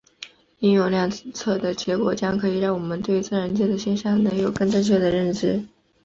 应用量测的结果将可以让我们对自然界的现象能有更正确的认知。